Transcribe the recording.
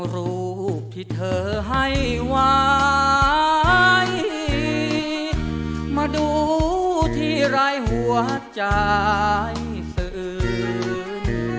เอารูปที่เธอให้ไว้มาดูที่รายหัวใจเสือน